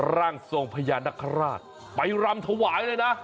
ร่างทรงพญานคราชไปรำถวายเลยนะ